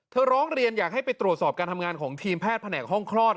ร้องเรียนอยากให้ไปตรวจสอบการทำงานของทีมแพทย์แผนกห้องคลอด